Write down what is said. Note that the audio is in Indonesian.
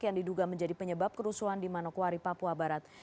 yang diduga menjadi penyebab kerusuhan di manokwari papua barat